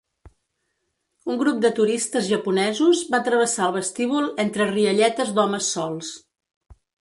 Un grup de turistes japonesos va travessar el vestíbul entre rialletes d'homes sols.